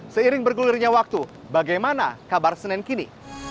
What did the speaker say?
seiring bergulirnya waktu bagaimana kabar senen kini